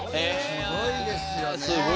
すごいですよね。